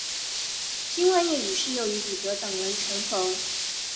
金万燮于是又与彼得等人重逢。